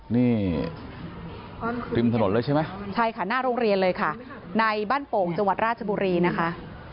นี่ริมถนนเลยใช่ไหมใช่ค่ะหน้าโรงเรียนเลยค่ะในบ้านโป่งจังหวัดราชบุรีนะคะ